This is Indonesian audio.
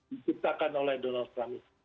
diciptakan oleh donald trump